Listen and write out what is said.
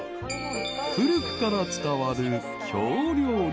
［古くから伝わる］